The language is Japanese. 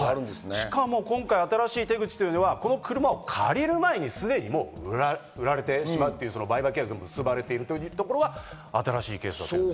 しかも今回、新しい手口というのは、借りる前にすでに売られてしまうという、売買契約を結ばれてしまうというのが新しいケース。